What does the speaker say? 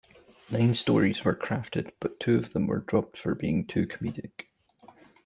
Nine stories were crafted, but two of them were dropped for being too comedic.